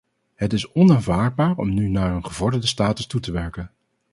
Het is onaanvaardbaar om nu naar een gevorderde status toe te werken.